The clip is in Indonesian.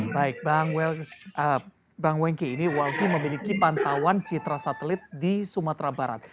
baik bang wengki ini walhi memiliki pantauan citra satelit di sumatera barat